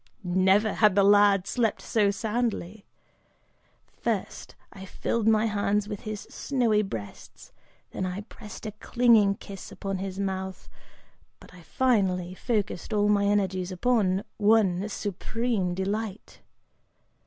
Never had the lad slept so soundly! First I filled my hands with his snowy breasts, then I pressed a clinging kiss upon his mouth, but I finally focused all my energies upon one supreme delight!